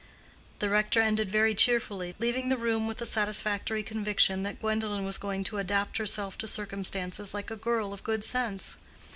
The rector ended very cheerfully, leaving the room with the satisfactory conviction that Gwendolen was going to adapt herself to circumstances like a girl of good sense.